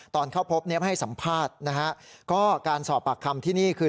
ตอนเข้าพบเนี่ยไม่ให้สัมภาษณ์นะฮะก็การสอบปากคำที่นี่คือ